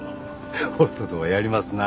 ホストとはやりますな。